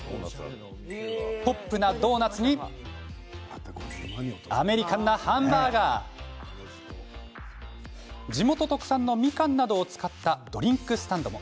ポップなドーナツにアメリカンなハンバーガー地元特産のみかんなどを使ったドリンクスタンドも。